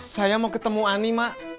saya mau ketemu ani mak